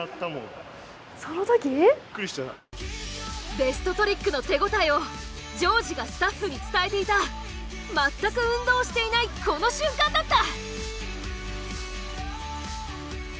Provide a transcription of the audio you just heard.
ベストトリックの手応えを丈司がスタッフに伝えていた全く運動をしていないこの瞬間だった！